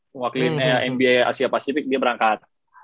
mengwakili nba asia pasifik dia berangkat